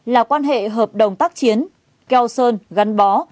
là quan hệ hợp đồng tác chiến keo sơn gắn bó